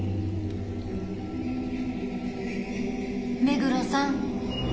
目黒さん。